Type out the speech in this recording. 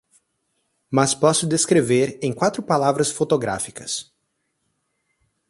mas posso descrever, em quatro palavras fotográficas